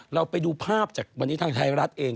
เราไปดูภาพจากวันนี้ทางไทยรัฐเอง